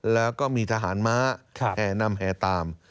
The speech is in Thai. แล้วก็มีทหารม้าแห่นำแห่ตาม